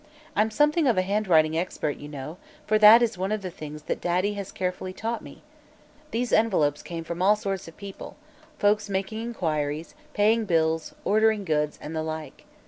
I'm something of a handwriting expert, you know, for that is one of the things that Daddy has carefully taught me. These envelopes came from all sorts of people folks making inquiries, paying bills, ordering goods, and the like.